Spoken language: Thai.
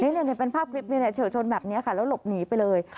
นี่เป็นภาพคลิปนี้เฉียวชนแบบนี้ค่ะแล้วหลบหนีไปเลย